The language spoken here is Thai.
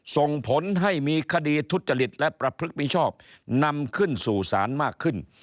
ส่งผลให้มีคดีทุจริตและประพฤติมิชอบนำขึ้นสู่ศาลมากขึ้น